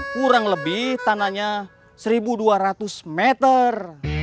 kurang lebih tanahnya satu dua ratus meter